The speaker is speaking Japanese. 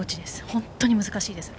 本当に難しいです。